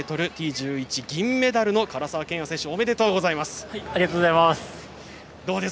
１１銀メダルの唐澤剣也選手ありがとうございます。